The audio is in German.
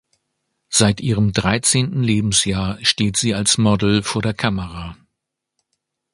Seit ihrem dreizehnten Lebensjahr steht sie als Model vor der Kamera.